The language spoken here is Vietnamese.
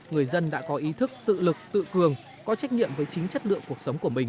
người dân đã có ý thức tự lực tự cường có trách nhiệm với chính chất lượng cuộc sống của mình